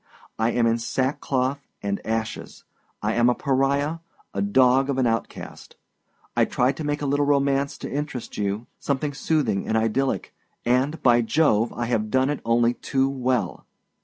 I am in sackcloth and ashes. I am a pariah, a dog of an outcast. I tried to make a little romance to interest you, something soothing and idyllic, and, by Jove! I have done it only too well!